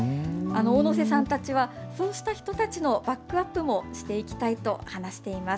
小野瀬さんたちは、そうした人たちのバックアップもしていきたいと話しています。